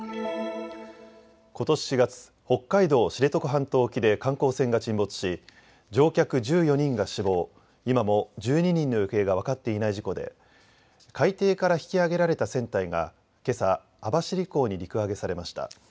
ことし４月、北海道・知床半島沖で観光船が沈没し乗客１４人が死亡、今も１２人の行方が分かっていない事故で海底から引き揚げられた船体がけさ網走港に陸揚げされました。